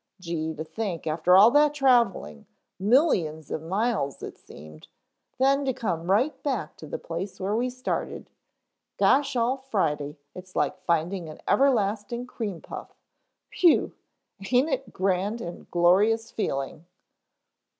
Gee, to think, after all that traveling millions of miles it seemed then to come right back to the place we started from. Gosh all Friday, it's like finding an everlasting cream puff. Whew aint it a grand and glorious feeling!"